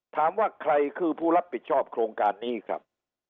ถามว่าใครคือผู้รับผิดชอบโครงการนี้ครับ